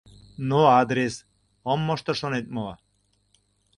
Но «адрес», ом мошто шонет мо?